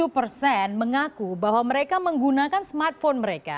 tujuh persen mengaku bahwa mereka menggunakan smartphone mereka